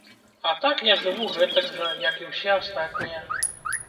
А так я жыву гэтак жа, як і ўсе астатнія.